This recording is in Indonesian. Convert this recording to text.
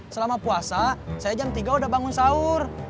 selama puasa saya jam tiga udah bangun sahur